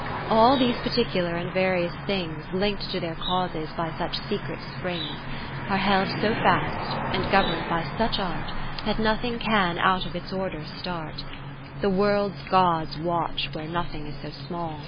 All these particular and various things, Link'd to their causes by such secret springs. Are held so fast, and govern'd by such art. That nothing can out of its order start. The World's God's watch where nothing is so small.